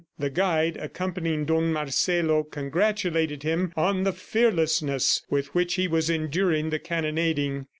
The guide accompanying Don Marcelo congratulated him on the fearlessness with which he was enduring the cannonading.